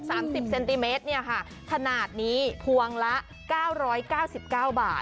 ๑ฟุต๓๐เซนติเมตรถนาดนี้พวงละ๙๙๙บาท